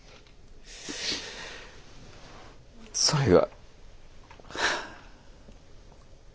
それが。